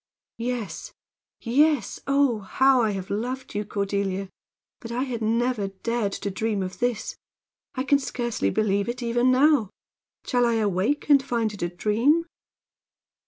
"Yes, yes. Oh, how I have loved you, Cordelia! But I had never dared to dream of this. I can scarcely believe it even now. Shall I awake and find it a dream?"